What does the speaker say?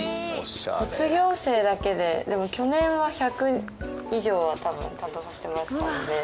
卒業生だけででも去年は１００以上は多分担当させてもらってたので。